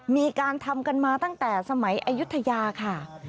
มีการทำกันมาตั้งแต่สมัยอายุทยาค่ะ